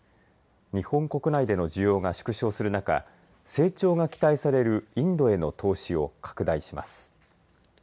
日本国内での需要が縮小する中成長が期待されるインドへの投資を拡大します。